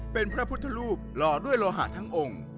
เป็นพระพุทธรูปหล่อด้วยโลหะทั้งองค์